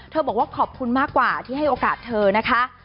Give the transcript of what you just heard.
บอกว่าขอบคุณมากกว่าที่ให้โอกาสเธอนะคะ